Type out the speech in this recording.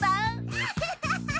アハハハッ！